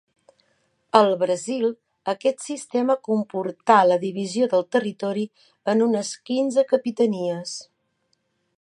Al Brasil aquest sistema comportà la divisió del territori en unes quinze capitanies.